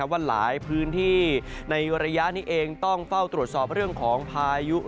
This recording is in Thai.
ว่าหลายพื้นที่ในระยะนี้เองต้องเฝ้าตรวจสอบเรื่องของพายุ